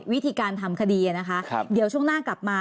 วิธีการทำคดีนะคะเดี๋ยวช่วงหน้ากลับมา